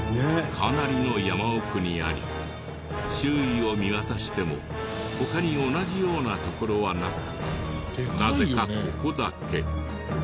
かなりの山奥にあり周囲を見渡しても他に同じような所はなくなぜかここだけ。